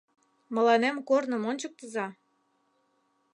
Мыланем корным ончыктыза.